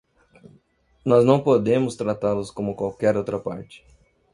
Nós não podemos tratá-los como qualquer outra parte.